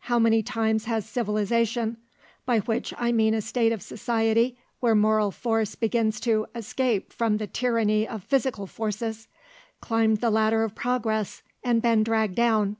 How many times has civilisation, by which I mean a state of society where moral force begins to escape from the tyranny of physical forces, climbed the ladder of Progress and been dragged down?